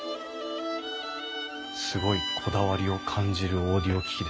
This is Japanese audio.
すごいこだわりを感じるオーディオ機器ですね。